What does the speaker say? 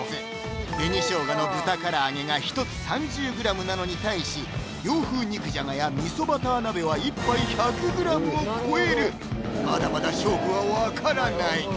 紅生姜の豚唐揚げが１つ３０ｇなのに対し洋風肉じゃがや味噌バター鍋は１杯１００ｇを超えるまだまだ勝負は分からない